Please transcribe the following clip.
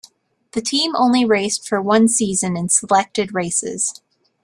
The team only raced for one season in selected races.